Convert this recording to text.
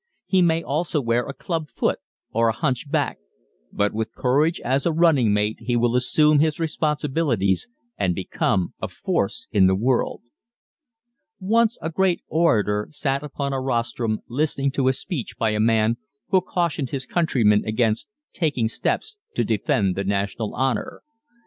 He may also wear a "clubfoot" or a "hunch back," but with courage as a running mate he will assume his responsibilities and become a force in the world. Once a great orator sat upon a rostrum listening to a speech by a man who cautioned his countrymen against taking steps to defend the national honor.